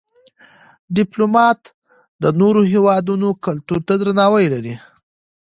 ډيپلومات د نورو هېوادونو کلتور ته درناوی لري.